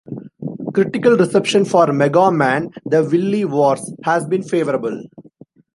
Critical reception for "Mega Man: The Wily Wars" has been favorable.